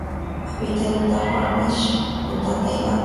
Habita en Uttar Pradesh, Bután y Tailandia.